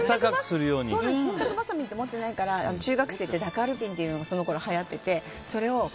洗濯ばさみって持ってなかったから中学生ってダカールピンっていうのがそのころはやってて。